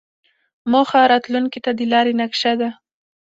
موخه راتلونکې ته د لارې نقشه ده.